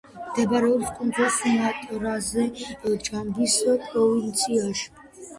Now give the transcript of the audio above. მდებარეობს კუნძულ სუმატრაზე, ჯამბის პროვინციაში.